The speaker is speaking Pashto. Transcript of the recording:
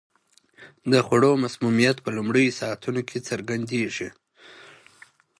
د خوړو مسمومیت په لومړیو ساعتونو کې څرګندیږي.